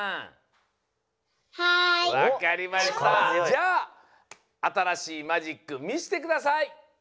じゃああたらしいマジック見してください！